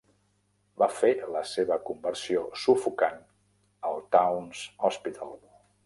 Va fer la seva conversió "sufocant" al Towns Hospital.